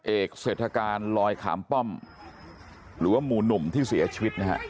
เอกเศรษฐการลอยขามป้อมหรือว่าหมู่หนุ่มที่เสียชีวิตนะฮะ